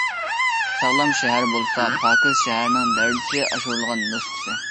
ساغلام شەھەر بولسا پاكىز شەھەرنىڭ دەرىجىسى ئاشۇرۇلغان نۇسخىسى.